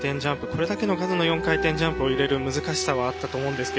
これだけの数の４回転ジャンプを入れる難しさはあったと思います